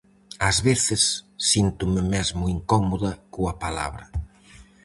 Ás veces síntome mesmo incómoda coa palabra.